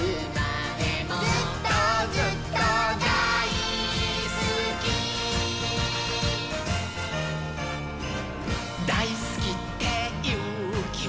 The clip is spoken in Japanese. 「ずっとずっとだいすき」「だいすきっていうきもちは」